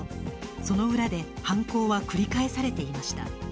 その裏で犯行は繰り返されていました。